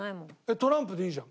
トランプでいいじゃん。